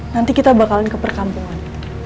nanti kita bakalan ke perkampungan